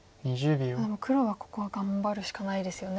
黒はここは頑張るしかないですよね。